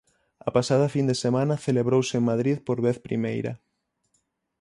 A pasada fin de semana celebrouse en Madrid por vez primeira.